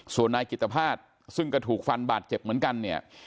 ส่วนนายกิตภาษณ์ซึ่งก็ถูกฟันบาดเจ็บเหมือนกันเนี่ย